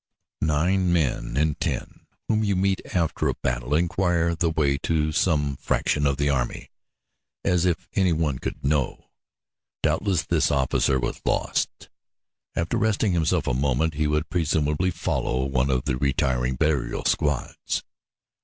Nine men in ten whom you meet after a battle inquire the way to some fraction of the army as if any one could know. Doubtless this officer was lost. After resting himself a moment he would presumably follow one of the retiring burial squads.